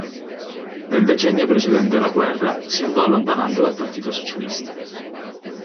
Nel decennio precedente la guerra, si andò allontanando dal partito socialista.